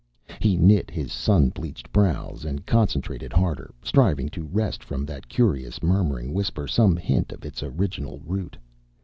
He knit his sun bleached brows and concentrated harder, striving to wrest from that curious, murmuring whisper some hint of its original root.